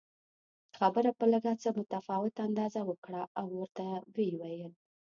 خبره په لږ څه متفاوت انداز وکړه او ورته ویې ویل